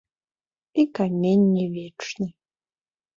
І камень не вечны.